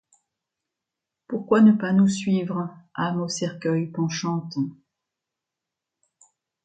Pourquoi ne pas nous suivre, âme au cercueil penchante